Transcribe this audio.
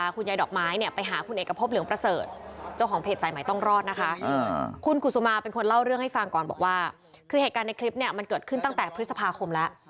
เกิดขึ้นตั้งแต่พฤษภาคมแล้ว